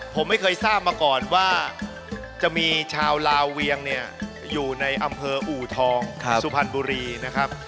ผมไม่เคยทราบมาก่อนว่าจะมีชาวลาเวียงเนี่ยอยู่ในอำเภออูทองสุพรรณบุรีนะครับ